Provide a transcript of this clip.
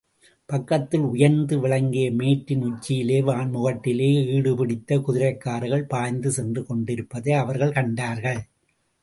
பக்கத்தில் உயர்ந்து விளங்கிய மேட்டின் உச்சியிலே வான்முகட்டிலே ஈட்டி பிடித்த குதிரைக்காரர்கள் பாய்ந்து சென்று கொண்டிருப்பதை அவர்கள் கண்டார்கள்.